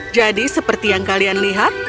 jadi seperti yang kalian lihat